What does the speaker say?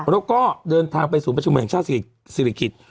แล้วก็เดินทางไปศูนย์ประชุมแห่งชาติศิริกิจ